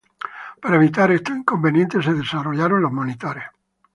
Para evitar estos inconvenientes se desarrollaron los monitores.